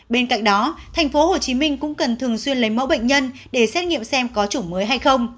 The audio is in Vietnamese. bên cạnh đó thành phố hồ chí minh cũng cần thường xuyên lấy mẫu bệnh nhân để xét nghiệm xem có chủ mới hay không